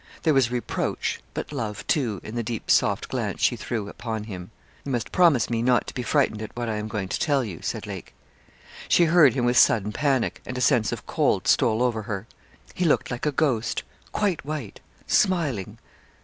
There was reproach, but love too, in the deep soft glance she threw upon him. 'You must promise me not to be frightened at what I am going to tell you,' said Lake. She heard him with sudden panic, and a sense of cold stole over her. He looked like a ghost quite white smiling.